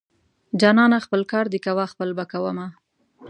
جانانه خپل کار دې کوه خپل به کوومه.